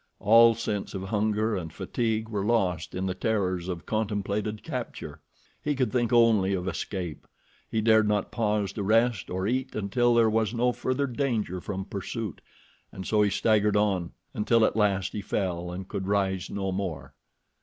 All sense of hunger and fatigue were lost in the terrors of contemplated capture. He could think only of escape. He dared not pause to rest or eat until there was no further danger from pursuit, and so he staggered on until at last he fell and could rise no more.